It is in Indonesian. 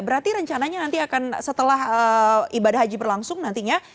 berarti rencananya nanti akan setelah ibadah haji berlangsung nantinya